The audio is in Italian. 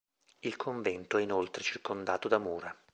Il convento è inoltre circondato da mura.